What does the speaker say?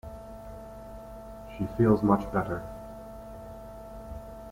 She feels much better.